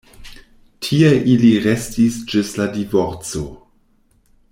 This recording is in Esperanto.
Tie ili restis ĝis la divorco.